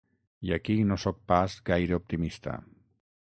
I aquí no sóc pas gaire optimista.